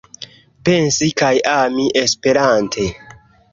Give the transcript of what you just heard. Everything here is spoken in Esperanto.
Pensi kaj ami esperante.